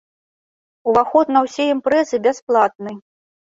Уваход на ўсе імпрэзы бясплатны.